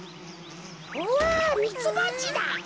うわミツバチだ。